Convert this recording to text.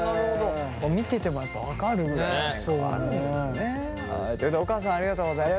見ててもやっぱ分かるんだね。ということでお母さんありがとうございます。